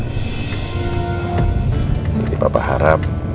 jadi papa harap